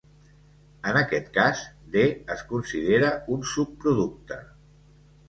En aquest cas, D es considera un subproducte.